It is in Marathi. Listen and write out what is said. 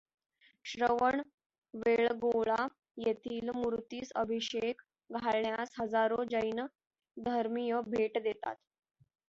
श्रवण बेळगोळा येथील मूर्तीस अभिषेक घालण्यास हजारो जैन धर्मीय भेट देतात.